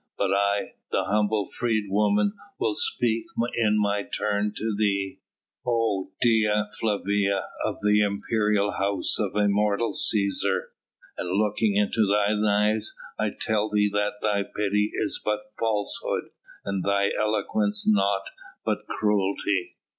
But I, the humble freedwoman, will speak in my turn to thee, O Dea Flavia of the imperial house of immortal Cæsar, and looking into thine eyes I tell thee that thy pity is but falsehood and thine eloquence naught but cruelty.